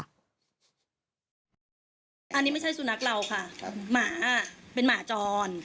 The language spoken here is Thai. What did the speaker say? อันนี้ไม่ใช่สุนัขเราค่ะหมาเป็นหมาจร